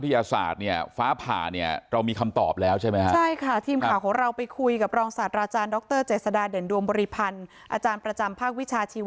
อธิบายเป็นข้อมูลไม่ได้